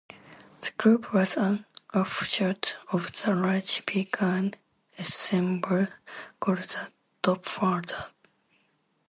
The group was an offshoot of a large big band ensemble called "The Tophatters".